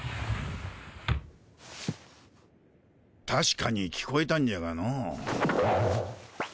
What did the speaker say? たしかに聞こえたんじゃがの。